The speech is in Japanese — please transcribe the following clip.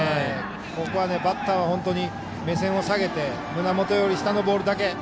ここはバッターは本当に目線を下げて胸元より下のボールだけ。